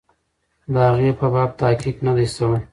د هغې په باب تحقیق نه دی سوی.